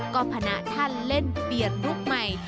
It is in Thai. ก็พนักท่านเล่นเปียกลุคใหม่